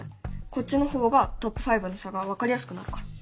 こっちの方がトップ５の差が分かりやすくなるから。